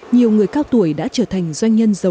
nhiều người cao tuổi đã trở thành doanh nhân giàu